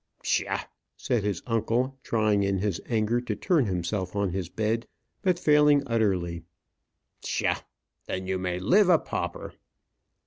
"Psha!" said his uncle, trying in his anger to turn himself on his bed, but failing utterly. "Psha! Then you may live a pauper."